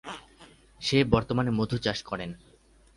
সে বর্তমানে মধু চাষ করেন।